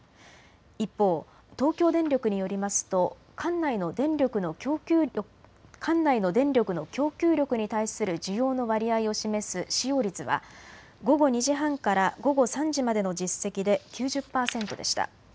一方、東京電力によりますと管内の電力の供給力に対する需要の割合を示す使用率は午後２時半から午後３時までの実績で９０％でした。